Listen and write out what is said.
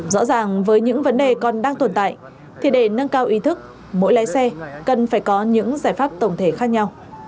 rõ ràng với những vấn đề còn đang tồn tại thì để nâng cao ý thức mỗi lái xe cần phải có những giải pháp tổng thể khác nhau